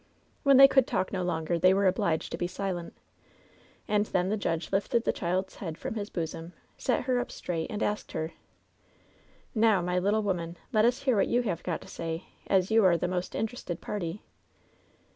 "When they could talk no longer they were obliged to 180 LOVE'S BITTEREST CUP be silent, and then the judge lifted the child's head from his bosom, sat her np straight, and asked her :" ^Now, my little woman, let us hear what you have got to say, as you are the most interested party.